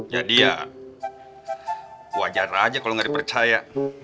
ya dia wajar aja kalau gak dipercaya